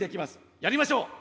やりましょう。